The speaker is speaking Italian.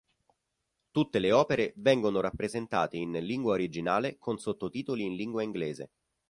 Tutte le opere vengono rappresentate in lingua originale con sottotitoli in lingua inglese.